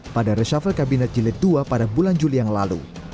pada reshuffle kabinet jilid dua pada bulan juli yang lalu